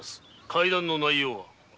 会談の内容は？